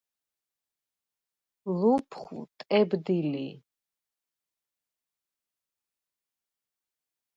ლუფხუ̂ ტებდი ლი.